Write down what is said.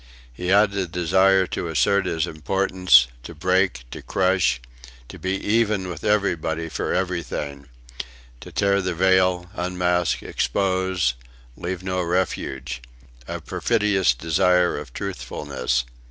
He had a desire to assert his importance, to break, to crush; to be even with everybody for everything; to tear the veil, unmask, expose, leave no refuge a perfidious desire of truthfulness!